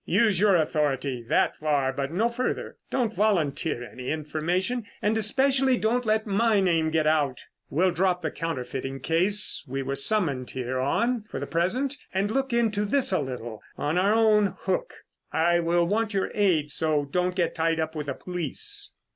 Use your authority that far, but no farther. Don't volunteer any information and especially don't let my name get out. We'll drop the counterfeiting case we were summoned here on for the present and look into this a little on our own hook. I will want your aid, so don't get tied up with the police."